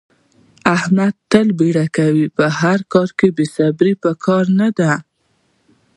احمد تل بیړه کوي. په هر کار کې بې صبرې په کار نه ده.